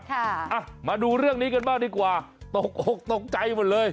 อ่ะมาดูเรื่องนี้กันบ้างดีกว่าตกอกตกใจหมดเลย